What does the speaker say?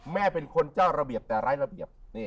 แม่เป็นคนเจ้าระเบียบแต่ไร้ระเบียบ